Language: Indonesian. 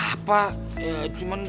jadi ka blackmail nya gue